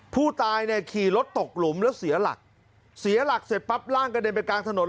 ผู้ตายเนี่ยขี่รถตกหลุมแล้วเสียหลักเสียหลักเสร็จปั๊บร่างกระเด็นไปกลางถนน